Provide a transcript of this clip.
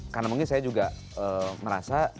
karena mungkin saya juga merasa